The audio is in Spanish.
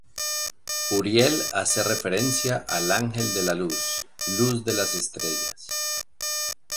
Uriel hace referencia al ángel de la luz, luz de las estrellas.